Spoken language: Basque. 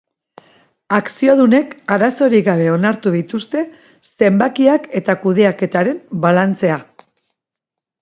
Akziodunek arazorik gabe onartu dituzte zenbakiak eta kudeaketaren balantzea.